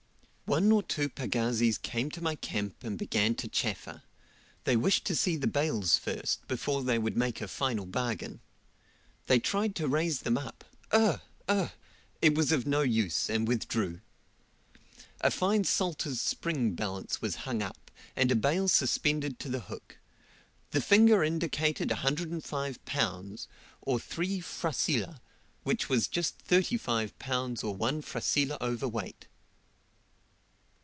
One or two pagazis came to my camp and began to chaffer; they wished to see the bales first, before they would make a final bargain. They tried to raise them up ugh! ugh! it was of no use, and withdrew. A fine Salter's spring balance was hung up, and a bale suspended to the hook; the finger indicated 105 lbs. or 3 frasilah, which was just 35 lbs. or one frasilah overweight.